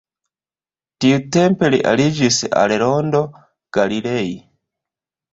Tiutempe li aliĝis al Rondo Galilei.